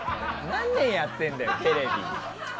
何年やってるんだよ、テレビ。